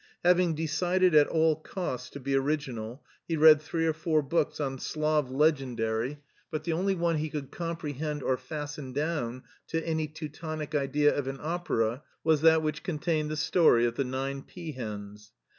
Having decided at all costs to be original he read three or four books on Slav legendary, HEIDELBERG 5 but the only one^he could comprehend or fasten down to any Teutonic idea of an opera was that which con tained the story of the nine peahens.